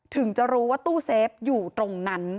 ถึงจะรู้ว่าตู้เซฟอยู่ตรงนั้น